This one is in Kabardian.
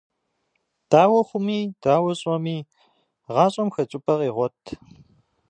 Дауэ хъуми, дауэ щӏэми, гъащӏэм хэкӏыпӏэ къегъуэт.